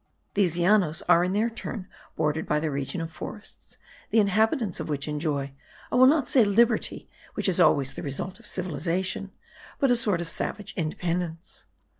These Llanos are in their turn bordered by the region of forests, the inhabitants of which enjoy, I will not say liberty, which is always the result of civilization, but a sort of savage independence.